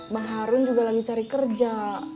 mbak harun juga lagi cari kerja